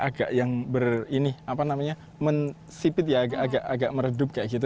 agak yang ber ini apa namanya mensipit ya agak meredup kayak gitu